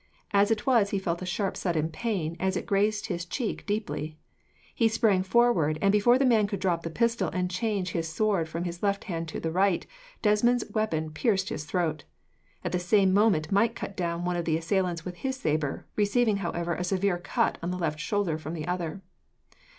As it was, he felt a sharp sudden pain, as it grazed his cheek deeply. He sprang forward, and before the man could drop the pistol and change his sword from the left hand to the right, Desmond's weapon pierced his throat. At the same moment, Mike cut down one of his assailants with his sabre, receiving, however, a severe cut on the left shoulder from the other.